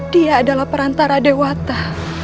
dia adalah perantara dewata